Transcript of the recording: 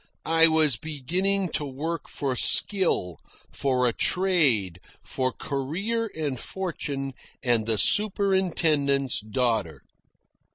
I was beginning to work for skill, for a trade, for career and fortune, and the superintendent's daughter.